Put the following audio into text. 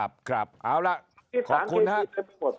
ครับเอาล่ะขอบคุณครับ